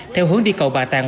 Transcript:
theo hướng đi cầu bà tạng